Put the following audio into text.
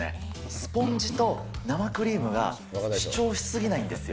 スポンジと生クリームが主張し過ぎないんですよ。